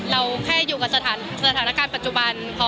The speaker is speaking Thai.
เราแค่อยู่กับสถานการณ์ปัจจุบันพอ